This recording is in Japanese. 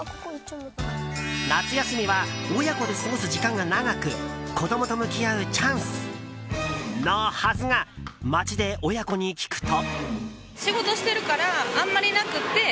夏休みは親子で過ごす時間が長く子供と向き合うチャンスのはずが街で親子に聞くと。